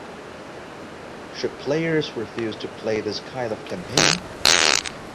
Should players refuse to play this kind of campaign?